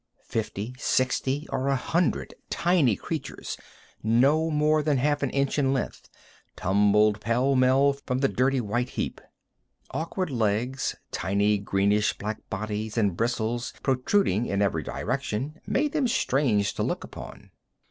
Fifty, sixty, or a hundred tiny creatures, no more than half an inch in length, tumbled pell mell from the dirty white heap. Awkward legs, tiny, greenish black bodies, and bristles protruding in every direction made them strange to look upon.